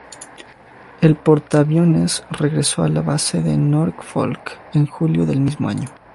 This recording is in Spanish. El portaaviones regreso a la base de Norfolk en julio del mismo año.